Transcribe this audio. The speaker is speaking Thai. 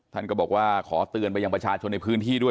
ท่านก็บอกว่าขอเตือนไปยังประชาชนในพื้นที่ด้วย